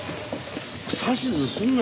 指図すんな